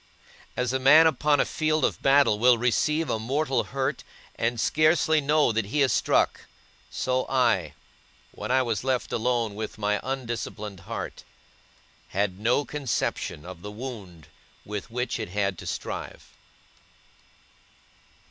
As a man upon a field of battle will receive a mortal hurt, and scarcely know that he is struck, so I, when I was left alone with my undisciplined heart, had no conception of the wound with which it had to strive.